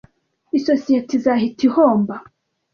Isosiyete izahita ihomba.